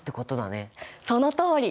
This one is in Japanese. そのとおり！